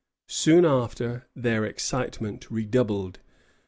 Soon after, their excitement redoubled.